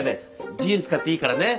自由に使っていいからね。